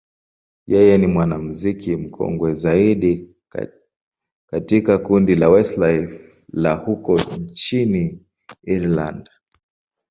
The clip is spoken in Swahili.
yeye ni mwanamuziki mkongwe zaidi katika kundi la Westlife la huko nchini Ireland.